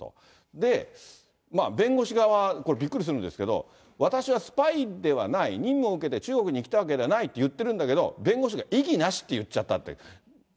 で、弁護士側、これ、びっくりするんですけど、私はスパイではない、任務を受けて中国に来たわけではないと言ってるんだけど、弁護士が異議なしって言っちゃったって。